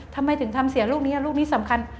ทำไมถึงทำเสียลูกนี้ลูกนี้สำคัญ